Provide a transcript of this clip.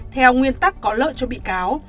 theo nguyên tắc có lợi cho bị cáo